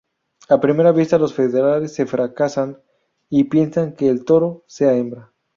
A primera vista los federales se fracasan y piensan que el toro sea hembra.